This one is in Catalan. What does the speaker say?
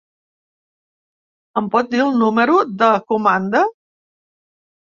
Em pot dir el número de comanda?